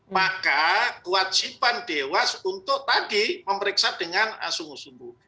maka kewajiban dewas untuk tadi memeriksa dengan sungguh sungguh